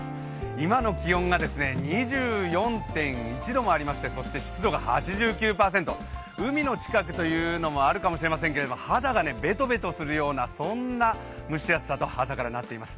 今の気温が２４．１度もありましてそして湿度が８９％海の近くというのもあるかもしれませんけれども、肌がベトベトするような蒸し暑さと朝からなっています。